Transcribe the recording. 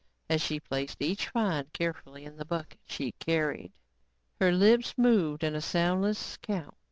As she placed each find carefully in the bucket she carried, her lips moved in a soundless count.